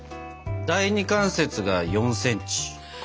第２関節が４ｃｍ。